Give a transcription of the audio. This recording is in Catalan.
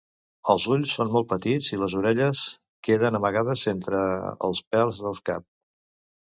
Els ulls són molt petits i les orelles queden amagades entre els pèls del cap.